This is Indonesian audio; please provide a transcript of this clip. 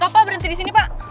stop ah berhenti di sini pak